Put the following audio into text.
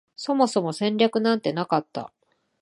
そもそも戦略なんてなかった